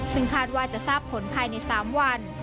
ซึ่งคาดว่าจะทราบผลภายใน๓วัน